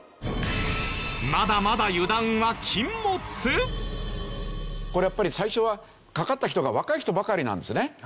まだまだこれやっぱり最初はかかった人が若い人ばかりなんですね。